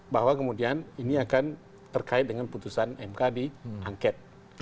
bahwa kemudian ini akan terkait dengan putusan mk di angket